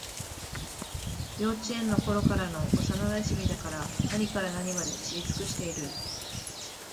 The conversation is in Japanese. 幼稚園のころからの幼なじみだから、何から何まで知り尽くしている